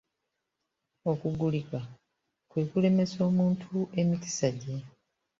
Okugulika kwe kulemesa omuntu emikisa gye.